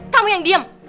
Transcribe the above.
kamu yang diem